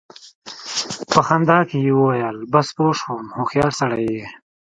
په خندا کې يې وويل: بس! پوه شوم، هوښيار سړی يې!